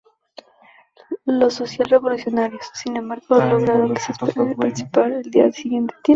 Los socialrevolucionarios, sin embargo, lograron que se les permitiese participar al día siguiente.